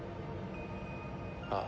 ああ。